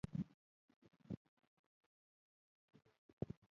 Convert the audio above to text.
مینه هلته هم ډېره لایقه او بریالۍ وه